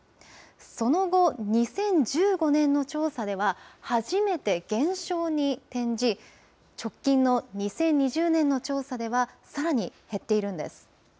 その後、２０１５年の調査では、初めて減少に転じ、直近の２０２０年の調査では、さらに減っているんです。